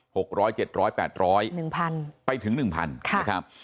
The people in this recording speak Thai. หกร้อยเจ็ดร้อยแปดร้อยหนึ่งพันไปถึงหนึ่งพันค่ะนะครับ